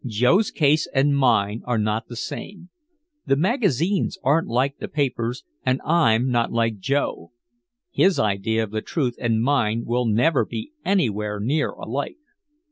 "Joe's case and mine are not the same. The magazines aren't like the papers and I'm not like Joe. His idea of the truth and mine will never be anywhere near alike."